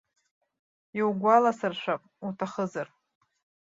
Иугәаласыршәап, уҭахызар.